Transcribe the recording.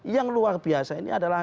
yang luar biasa ini adalah